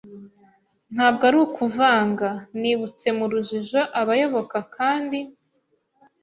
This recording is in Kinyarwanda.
ntabwo ari ukuvanga. Nibutse mu rujijo abayoboka kandi